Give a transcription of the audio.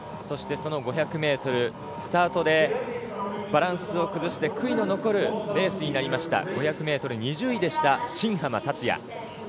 そして、その５００ｍスタートでバランスを崩して悔いの残るレースになりました５００ｍ、２０位でした新濱立也。